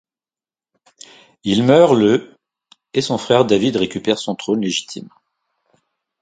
Il meurt le et son frère David récupère son trône légitime.